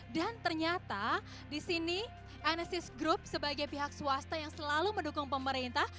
dan ternyata di sini anesthes group sebagai pihak swasta yang selalu mendukung pemerintah